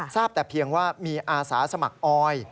ทราบแต่เพียงว่ามีอาสาสมัครออย